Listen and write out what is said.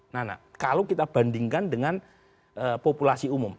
nana kalau kita bandingkan dengan populasi umum